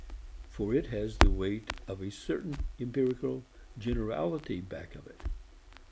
For it has the weight of a certain empirical generality back of it.